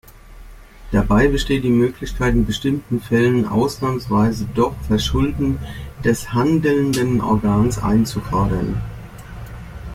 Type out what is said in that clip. Dabei besteht die Möglichkeit, in bestimmten Fällen ausnahmsweise doch Verschulden des handelnden Organs einzufordern.